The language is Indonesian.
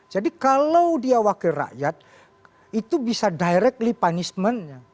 jadi kalau dia wakil rakyat itu bisa directly punishment nya